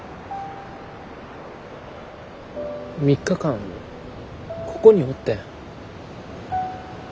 ３日間ここにおってん。